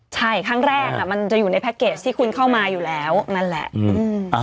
ใช่ครั้งแรกมันจะอยู่ในแพ็คเกจที่คุณเข้ามาอยู่แล้วนั่นแหละ